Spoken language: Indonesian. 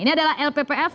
ini adalah lppf